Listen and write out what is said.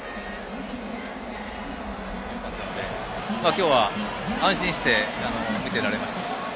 今日は安心して見ていられました。